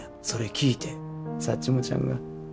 それ聞いてサッチモちゃんが。